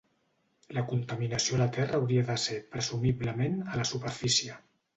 La contaminació a la terra hauria de ser, presumiblement, a la superfície.